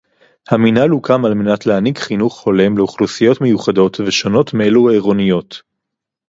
המינהל הוקם על מנת להעניק חינוך הולם לאוכלוסיות מיוחדות ושונות מאלו העירוניות